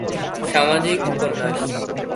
সামাজিক উপন্যাস।